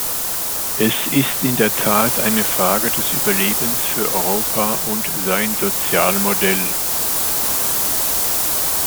Es ist in der Tat eine Frage des Überlebens für Europa und sein Sozialmodell.